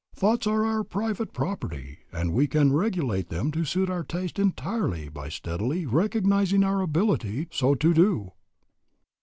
Thoughts are our private property, and we can regulate them to suit our taste entirely by steadily recognizing our ability so to do."